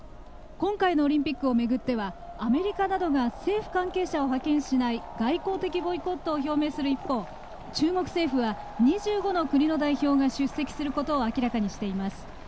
今回のオリンピックを巡ってはアメリカなどが政府関係者を派遣しない外交的ボイコットを表明する一方中国政府は２５の国の代表が出席することを明らかにしています。